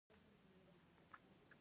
تیږه ایښودل د جګړې د بندولو نښه ده.